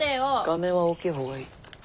画面は大きい方がいい。